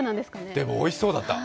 でも、おいしそうだった。